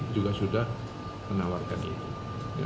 juga sudah menawarkan itu